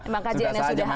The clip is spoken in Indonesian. emang kajiannya sudah ada